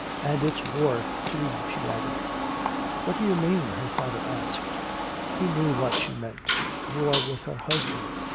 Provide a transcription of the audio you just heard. "And it's war, too," she added. "What do you mean?" her father asked. He knew what she meant, war with her husband.